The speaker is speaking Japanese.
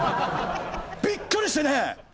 びっくりしてね！